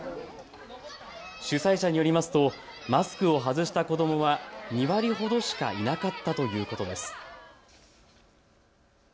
主催者によりよりますとマスクを外した子どもは２割ほどしかいなかったということです。